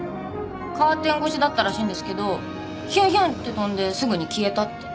カーテン越しだったらしいんですけどヒュンヒュンって飛んですぐに消えたって。